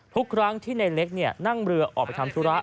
ทุกครั้งที่ในเล็กนั่งเรือออกไปทำธุระ